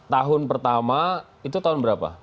tahun pertama itu tahun berapa